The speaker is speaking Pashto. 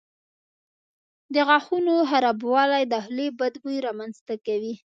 د غاښونو خرابوالی د خولې بد بوی رامنځته کوي.